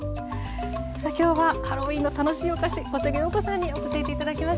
さあ今日はハロウィーンの楽しいお菓子小菅陽子さんに教えて頂きました。